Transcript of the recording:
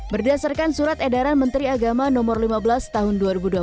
berdasarkan surat edaran menteri agama no lima belas tahun dua ribu dua puluh